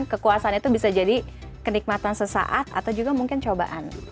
kekuasaan itu bisa jadi kenikmatan sesaat atau juga mungkin cobaan